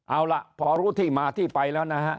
เอาล่ะพอรู้ที่มาที่ไปแล้วนะฮะ